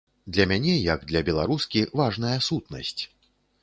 Для мяне, як для беларускі, важная сутнасць.